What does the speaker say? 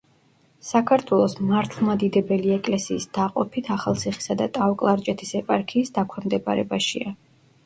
საქართველოს მართლმადიდებელი ეკლესიის დაყოფით ახალციხისა და ტაო-კლარჯეთის ეპარქიის დაქვემდებარებაშია.